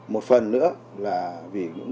một phần nữa là vì những hám lợi riêng